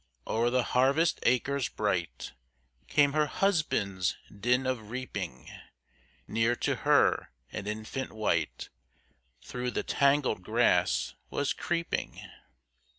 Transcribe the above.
O'er the harvest acres bright, Came her husband's din of reaping; Near to her, an infant wight Through the tangled grass was creeping.